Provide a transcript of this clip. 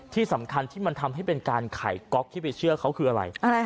ที่สำคัญที่มันทำให้เป็นการไขก๊อกที่ไปเชื่อเขาคืออะไร